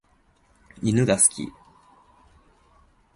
犬が好き。